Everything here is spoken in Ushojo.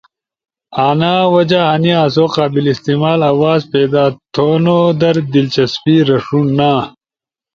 انا وجہ ہنی آسو قابل استعمال آواز پیدا تھونو در دلچسپی رݜونا!